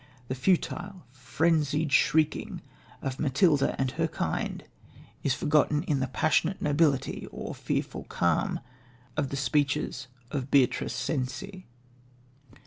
The futile, frenzied shrieking of Matilda and her kind is forgotten in the passionate nobility or fearful calm of the speeches of Beatrice Cenci.